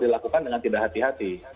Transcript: dilakukan dengan tidak hati hati